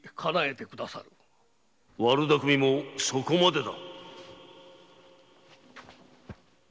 ・悪だくみもそこまでだ。